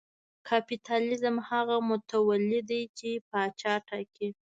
کاپیتالېزم هغه متولي دی چې پاچا ټاکي.